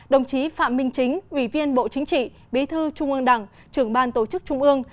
đồng chí phạm minh chính ủy viên bộ chính trị bí thư trung ương đảng trưởng ban tổ chức trung ương